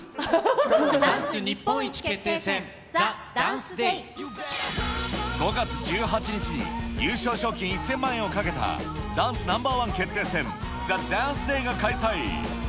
ダンス日本一決定戦、ＴＨＥ５月１８日に、優勝賞金１０００万円をかけたダンスナンバー１決定戦、ＴｈｅＤＡＮＣＥＤＡＹが開催。